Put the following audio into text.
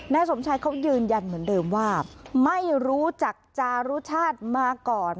สมชายเขายืนยันเหมือนเดิมว่าไม่รู้จักจารุชาติมาก่อน